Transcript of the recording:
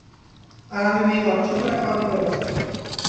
আর, আমি মেয়েমানুষ, অত টাকা পাবই বা কোথা?